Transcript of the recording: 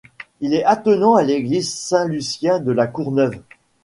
Il est attenant à l'Église Saint-Lucien de La Courneuve.